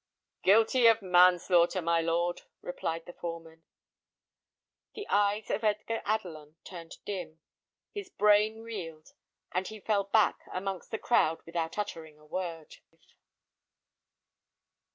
"Guilty of manslaughter, my lord," replied the foreman. The eyes of Edgar Adelon turned dim, his brain reeled, and he fell back amongst the crowd without uttering a word.